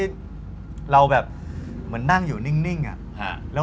มีความสุขที่ผมไม่มีทางแล้ว